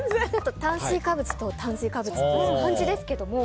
炭水化物と炭水化物っていう感じですけども。